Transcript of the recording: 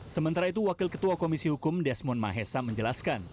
sementara itu wakil ketua komisi hukum desmond mahesa menjelaskan